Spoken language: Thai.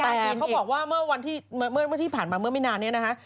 แต่เขาบอกว่าเมื่อที่ผ่านมาเมื่อไม่นานนี้นะคะ